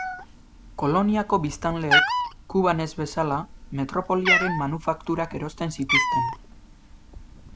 Koloniako biztanleek, Kuban ez bezala, metropoliaren manufakturak erosten zituzten.